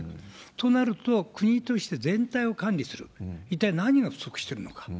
となると、国として全体を管理する、一体何が不足してるのか。